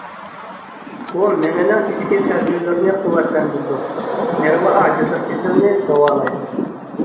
ئۇ مېڭىنىڭ ئىچكى سەزگۈلىرىنى قۇۋۋەتلەندۈرىدۇ، نېرۋا ئاجىزلىق كېسىلىنى داۋالايدۇ.